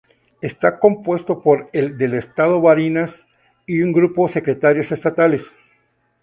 Está compuesto por el del Estado Barinas y un grupo Secretarios Estadales.